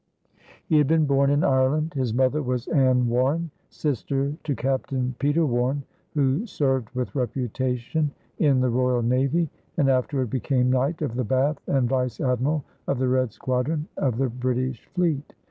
He had been born in Ireland. His mother was Anne Warren, sister to Captain Peter Warren, who "served with reputation" in the Royal Navy and afterward became Knight of the Bath and Vice Admiral of the Red Squadron of the British Fleet.